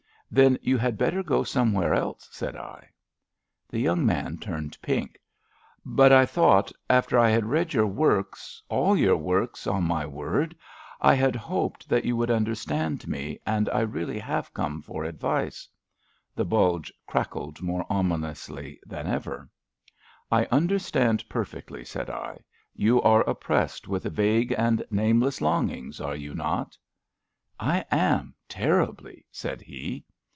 Then you had better go somewhere else/' said L The young man turned pink. " But I thought, after I had read your works — all your works, on my word — ^I had hoped that you would understand me, and I really have come for advice." The bulge crackled more ominously than ever. I understand perfectly," said I. " You are oppressed with vague and nameless longings, are you not? "" I am, terribly," said he.